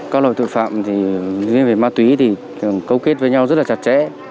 các loại tội phạm riêng về ma túy thì cấu kết với nhau rất là chặt chẽ